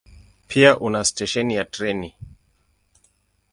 Pia una stesheni ya treni.